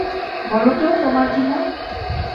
বলো তো, তোমার কী মত?